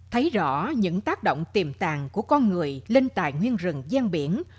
thấy rõ những tác động tiềm tàng của con người lên tài nguyên rừng gian biển